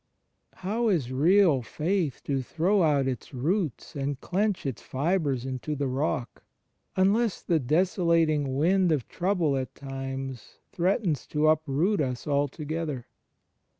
How is real faith to throw out its roots and clench its fibres into the Rock, unless the desolating wind of trouble at times threatens to uproot us alto gether?